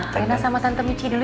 ya tanda sama tante michi dulu ya